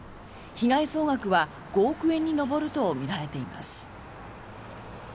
被害総額は５億円に上るとみられています。